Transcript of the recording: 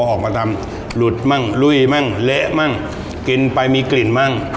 ออกมาทำหลุดมั่งลุยมั่งเละมั่งกินไปมีกลิ่นมั่ง